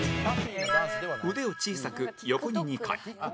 腕を小さく横に２回